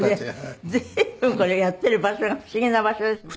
随分これやっている場所が不思議な場所ですね。